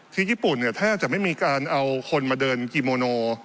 ที่ญี่ปุ่นเนี่ยแทบจะไม่มีการเอาคนมาเดินกิโมโน